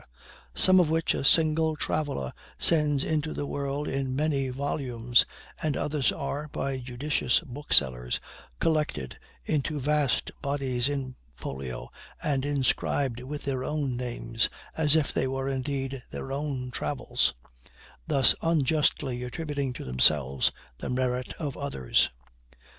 some of which a single traveler sends into the world in many volumes, and others are, by judicious booksellers, collected into vast bodies in folio, and inscribed with their own names, as if they were indeed their own travels: thus unjustly attributing to themselves the merit of others.